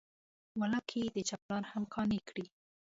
والله که یې د چا پلار هم قانع کړي.